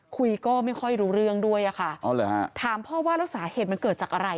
คุยก็ไม่ค่อยรู้เรื่องด้วยอะค่ะถามพ่อว่าแล้วสาเหตุมันเกิดจากอะไร